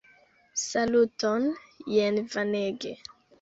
Saluton! Jen Vanege!